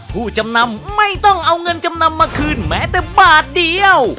ผู้จำนำไม่ต้องเอาเงินจำนำมาคืนแม้แต่บาทเดียว